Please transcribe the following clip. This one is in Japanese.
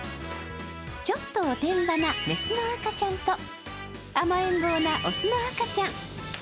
ちょっとおてんばな雌の赤ちゃんと甘えん坊な雄の赤ちゃん。